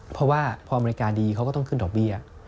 เพราะว่าพออเมริกาดีเขาก็ต้องขึ้นดอกเบี้ย